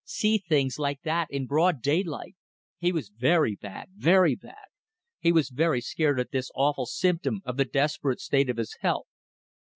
See things like that in broad daylight! He was very bad very bad. ... He was horribly scared at this awful symptom of the desperate state of his health.